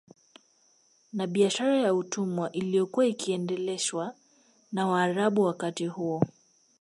Na biashara ya utumwa iliyokuwa ikiendeshwa na Waarabu wakati huo